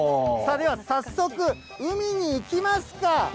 では早速、海に行きますか。